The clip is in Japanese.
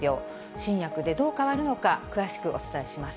新薬でどう変わるのか、詳しくお伝えします。